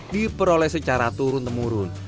diperoleh secara turun temurun